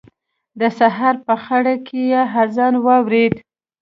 د سهار په خړه کې يې اذان واورېد.